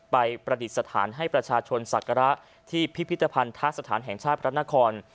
ประดิษฐานให้ประชาชนศักระที่พิพิธภัณฑสถานแห่งชาติพระนคร